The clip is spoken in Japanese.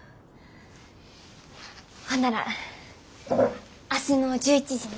ほんなら明日の１１時に。